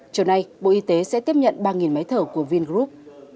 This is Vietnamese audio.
trở nay bộ y tế sẽ tiếp nhận ba máy thở của vingroup